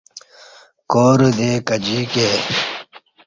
کارہ دے کجییکے